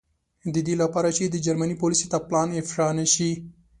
د دې له پاره چې د جرمني پولیسو ته پلان افشا نه شي.